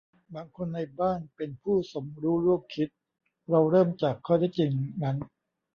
บางคนในบ้านเป็นผู้สมรู้ร่วมคิด - เราเริ่มจากข้อเท็จจริงนั้น